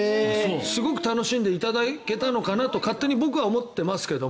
すごく楽しんでいただけたのかなと勝手に僕は思ってますけど。